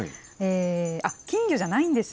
あっ、金魚じゃないんです。